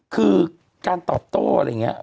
คือการตอบโต้อะไรอย่างนี้